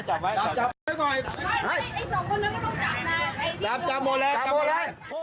จับทุกคนเลย